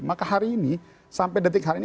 maka hari ini sampai detik hari ini